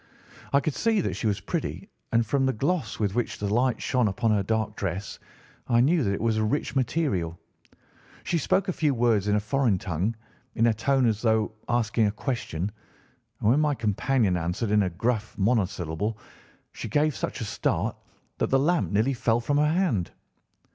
I could see that she was pretty, and from the gloss with which the light shone upon her dark dress I knew that it was a rich material. She spoke a few words in a foreign tongue in a tone as though asking a question, and when my companion answered in a gruff monosyllable she gave such a start that the lamp nearly fell from her hand.